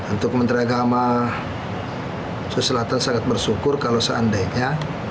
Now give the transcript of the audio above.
untuk kementerian agama sulawesi selatan sangat bersyukur kalau seandainya